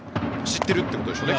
知っているということですよね。